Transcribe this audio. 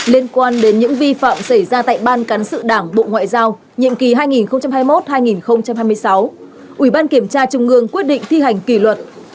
liên quan đến những vi phạm xảy ra tại ban cán sự đảng bộ ngoại giao nhiệm kỳ hai nghìn hai mươi một hai nghìn hai mươi sáu ủy ban kiểm tra trung ương quyết định thi hành kỷ luật